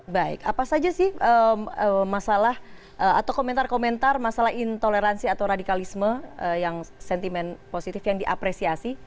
baik apa saja sih masalah atau komentar komentar masalah intoleransi atau radikalisme yang sentimen positif yang diapresiasi